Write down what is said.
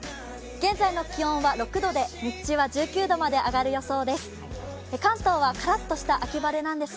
現在の気温は６度で日中は１９度まで上がる予想です。